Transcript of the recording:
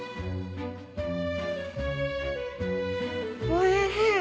おいしい！